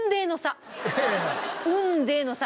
雲泥の差。